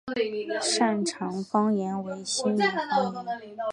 擅长方言为新舄方言。